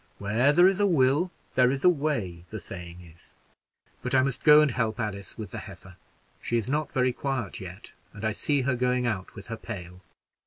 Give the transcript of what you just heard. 'Where there is a will there is a way,' the saying is. But I must go and help Alice with the heifer: she is not very quiet yet, and I see her going out with her pail."